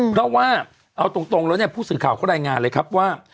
เพราะว่าเอาตรงแล้วเนี่ยผู้สื่อข่าวเขารายงานเลยครับว่า